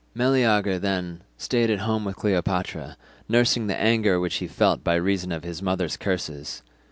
Meleager, then, stayed at home with Cleopatra, nursing the anger which he felt by reason of his mother's curses.